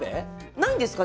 ないんですかね？